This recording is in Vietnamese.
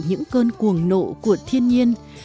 những cơn cuồng nộ của thiên nhiên